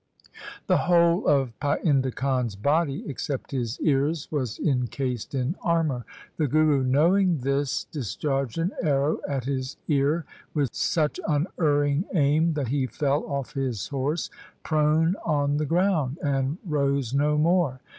The whole of Painda Khan's body except his ears was encased in armour. The Guru knowing this discharged an arrow at his ear with such unerring aim that he fell off his horse prone on the ground, and rose no more.